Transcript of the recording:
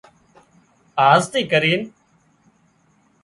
آز ٿي ڪرين